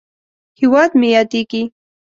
هېواد مې یادیږې!